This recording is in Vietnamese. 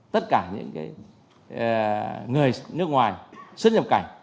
tất cả những người nước ngoài xuất nhập cảnh